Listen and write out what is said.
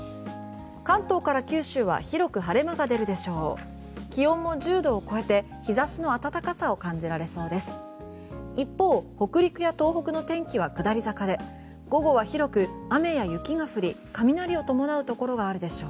関東から九州は広く晴れ間が出るでしょう。